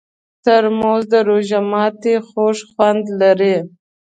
ترموز د روژه ماتي خوږ خوند لري.